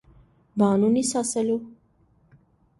- Բա՞ն ունիս ասելու: